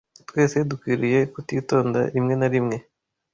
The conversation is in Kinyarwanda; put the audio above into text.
Twese dukwiriye kutitonda rimwe na rimwe